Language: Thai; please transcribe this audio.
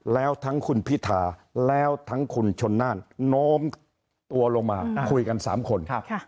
แล้วทั้งคุณพิธาแล้วทั้งคุณชนน่านโน้มตัวลงมาคุยกัน๓คน